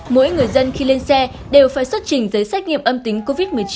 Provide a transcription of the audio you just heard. mỗi người dân khi lên xe đều phải xuất trình giấy xét nghiệm âm tính covid một mươi chín